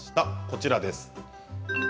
こちらです。